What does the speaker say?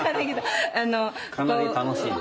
かなり楽しいです。